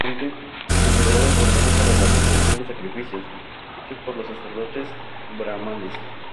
Se consideraba importante para la realización de sacrificios, hechos por los sacerdotes brahmanes.